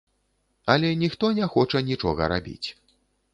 Але ніхто не хоча нічога рабіць.